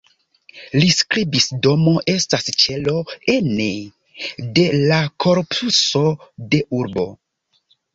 Li skribis:"Domo estas ĉelo ene de la korpuso de urbo.